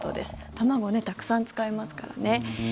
卵ね、たくさん使いますからね。